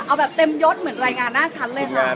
เอาแบบเต็มยดเหมือนรายงานหน้าชั้นเลยค่ะ